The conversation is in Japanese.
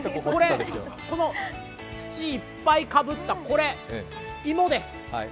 この土いっぱいかぶったこれ芋です。